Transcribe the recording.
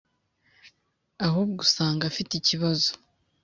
Ahubwo usanga afite ikibazo .